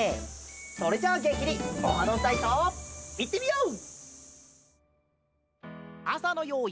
それじゃあげんきに「オハどんたいそう」いってみよう！